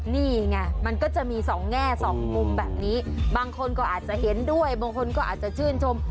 นี่ไงมันก็จะมีสองแง่สองมุมแบบนี้บางคนก็อาจจะเห็นด้วยบางคนก็อาจจะชื่นชม